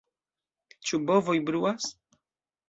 Ĉu bovoj bruas?